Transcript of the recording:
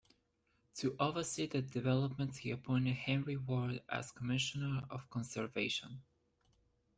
To oversee the developments, he appointed Henry Ward as commissioner of conservation.